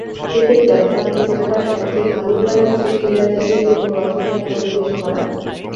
পেটের ব্যথা ভুলে থাকবার সবচেয়ে ভালো উপায় হচ্ছে থ্রিলার জাতীয় কোনো রচনায় মনোনিবেশ করা।